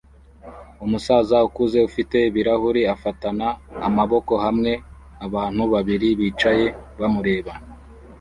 Umusaza ukuze ufite ibirahuri afatana amaboko hamwe abantu babiri bicaye bamureba